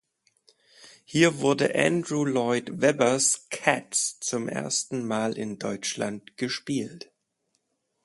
Hier wurde Andrew Lloyd Webbers "Cats" zum ersten Mal in Deutschland gespielt.